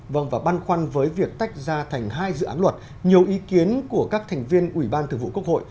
vâng và băn khoăn với việc tách ra thành hai dự án luật nhiều ý kiến của các thành viên ủy ban thường vụ quốc hội